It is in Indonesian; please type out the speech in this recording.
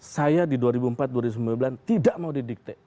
saya di dua ribu empat dua ribu sembilan tidak mau didikte